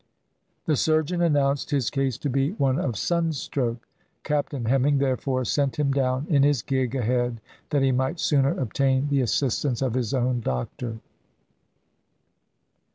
The surgeon announced his case to be one of sunstroke; Captain Hemming, therefore, sent him down in his gig ahead that he might sooner obtain the assistance of his own doctor.